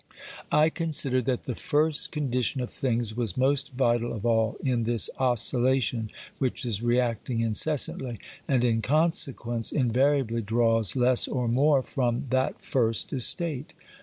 I considered that the first condition of things was most vital of all in this oscillation which is reacting incessantly, and in consequence invariably draws less or more from that first estate.